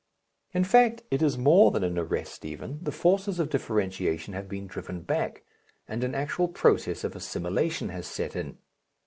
In fact, it is more than an arrest even, the forces of differentiation have been driven back and an actual process of assimilation has set in.